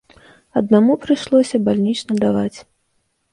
Аднаму прыйшлося бальнічны даваць.